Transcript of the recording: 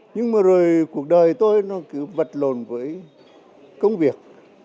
nhưng mà rồi cuộc đời tôi nó cứ vật lộn với công việc